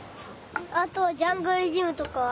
あとジャングルジムとかは？